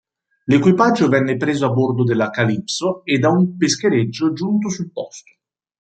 L'equipaggio venne preso a bordo dalla "Calipso" e da un peschereccio giunto sul posto.